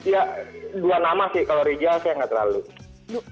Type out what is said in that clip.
ya dua nama sih kalau rijal saya nggak terlalu